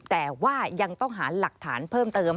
แต่ว่ายังต้องหาหลักฐานเพิ่มเติม